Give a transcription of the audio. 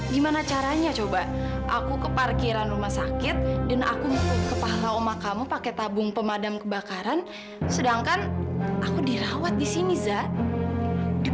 dan focori adalah orang yang tidak ada yang merihati ini